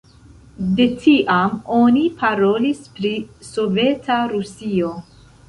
De tiam oni parolis pri Soveta Rusio.